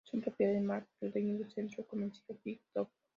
Son propiedad de Mack, el dueño del centro comercial Big Top.